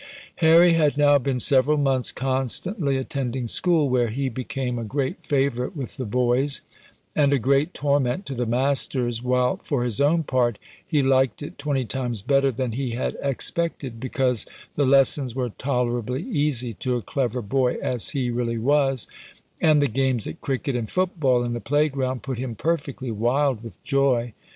Harry had now been several months constantly attending school, where he became a great favourite with the boys, and a great torment to the masters, while, for his own part, he liked it twenty times better than he had expected, because the lessons were tolerably easy to a clever boy, as he really was, and the games at cricket and foot ball in the play ground put him perfectly wild with joy.